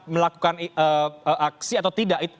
melakukan aksi atau tidak